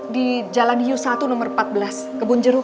di jalan hiu satu nomor empat belas kebun jeruk